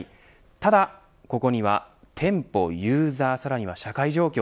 ただここには、店舗、ユーザーさらには社会状況